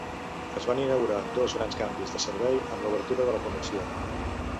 Es van inaugurar dos grans canvis de servei amb l'obertura de la connexió.